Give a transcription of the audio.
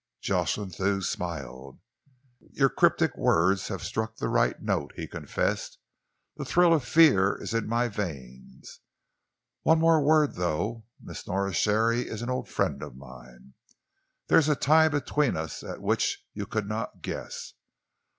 Jocelyn Thew smiled. "Your cryptic words have struck the right note," he confessed. "The thrill of fear is in my veins. One more word, though. Miss Nora Sharey is an old friend of mine. There is a tie between us at which you could not guess.